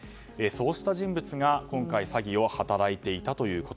そうした人物が今回、詐欺を働いていたと。